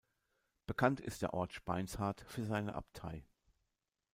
Bekannt ist der Ort Speinshart für seine Abtei.